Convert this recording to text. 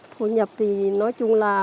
thu nhập thì nói chung là